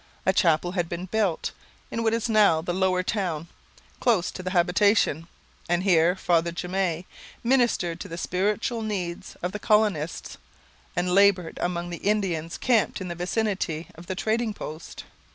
A chapel had been built, in what is now the Lower Town, close to the habitation, and here Father Jamay ministered to the spiritual needs of the colonists and laboured among the Indians camped in the vicinity of the trading post.